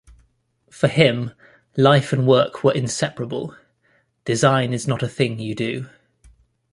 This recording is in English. For him, life and work were inseparable: Design is not a thing you do.